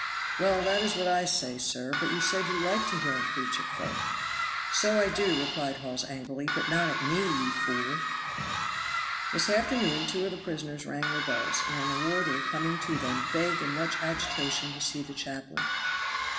"Well, that is what I say, sir, but you said you liked to hear him preach at folk." "So I do," replied Hawes angrily, "but not at me, ye fool!" This afternoon two of the prisoners rang their bells, and on the warder coming to them begged in much agitation to see the chaplain.